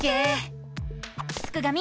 すくがミ